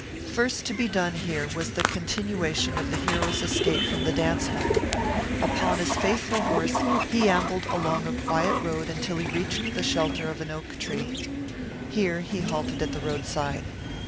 First to be done here was the continuation of the hero's escape from the dance hall. Upon his faithful horse he ambled along a quiet road until he reached the shelter of an oak tree. Here he halted at the roadside.